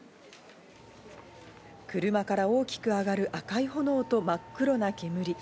車から大きく上がる赤い炎と真っ黒な煙。